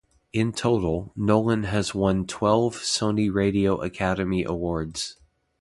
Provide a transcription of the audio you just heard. In total, Nolan has won twelve Sony Radio Academy Awards.